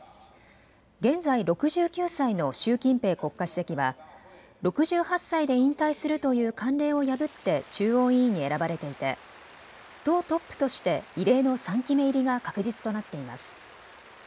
現在６９歳の習近平国家主席は６８歳で引退するという慣例を破って中央委員に選ばれていて党トップとして異例の３期目入りが確実となっています。